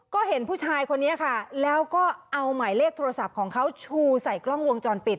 ก็เห็นผู้ชายคนนี้ค่ะแล้วก็เอาหมายเลขโทรศัพท์ของเขาชูใส่กล้องวงจรปิด